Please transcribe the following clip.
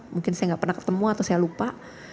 mungkin saya nggak pernah ketemu atau saya lupa